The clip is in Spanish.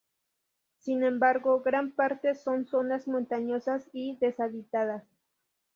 Sin embargo, gran parte son zonas montañosas y deshabitadas.